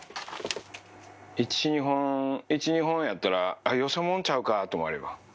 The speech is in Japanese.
１、２本、１、２本やったら、よそ者ちゃうかと思われるわ。